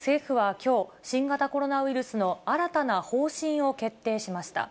こうした中、政府はきょう、新型コロナウイルスの新たな方針を決定しました。